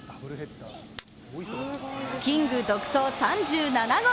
キング独走３７号。